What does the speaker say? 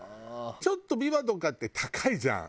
ちょっとびわとかって高いじゃん。